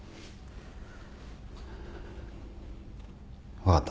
分かった。